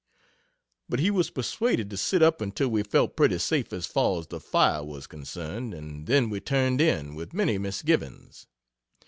But he was persuaded to sit up until we felt pretty safe as far as the fire was concerned, and then we turned in, with many misgivings.